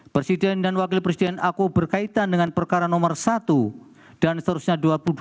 presiden dan wakil presiden aku berkaitan dengan perkara nomor satu dan seterusnya dua ribu dua puluh